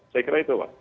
saya kira itu pak